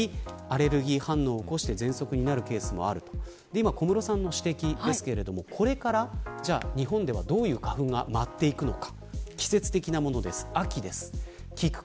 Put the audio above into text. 今、小室さんの指摘ですけれどもこれから、じゃあ日本ではどういう花粉が舞っていくのか。